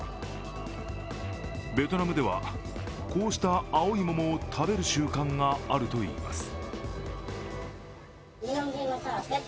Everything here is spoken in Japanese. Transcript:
ベトナムではこうした青い桃を食べる習慣があるといいます。